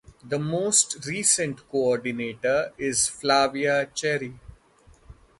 The most recent coordinator is Flavia Cherry.